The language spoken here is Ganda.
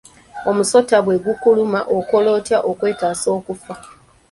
Omusota bwe gukuluma okola otya okwetaasa okufa?